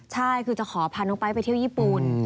ใช่คือจะขอพาน้องไป๊ไปเที่ยวญี่ปุ่น